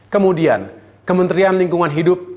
kemudian kementerian lingkungan hidup